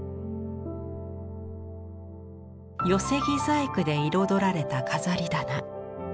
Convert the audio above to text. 寄木細工で彩られた飾り棚。